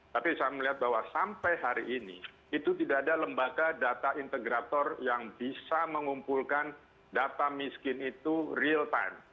tapi saya melihat bahwa sampai hari ini itu tidak ada lembaga data integrator yang bisa mengumpulkan data miskin itu real time